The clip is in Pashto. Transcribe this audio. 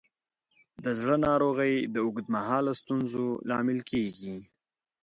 د زړه ناروغۍ د اوږد مهاله ستونزو لامل کېږي.